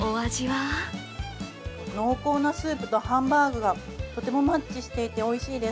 濃厚なスープとハンバーグがとてもマッチしていておいしいです。